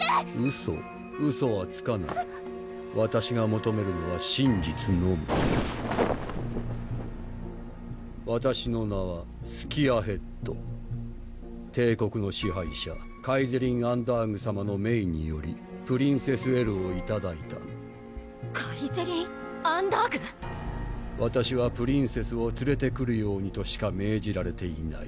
ウソはつかないわたしがもとめるのは真実のみわたしの名はスキアヘッド帝国の支配者カイゼリン・アンダーグさまの命によりプリンセス・エルをいただいたカイゼリン・アンダーグわたしはプリンセスをつれてくるようにとしか命じられていない